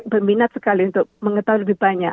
berminat sekali untuk mengetahui lebih banyak